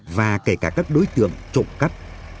và kể cả các đối tượng trộm cắp